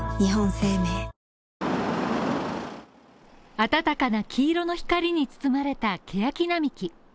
あたたかな黄色の光に包まれたケヤキ並木